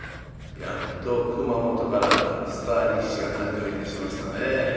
やっと熊本からスター力士が誕生いたしましたね。